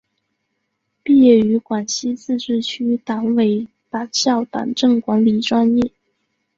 毕业于广西自治区党委党校党政管理专业。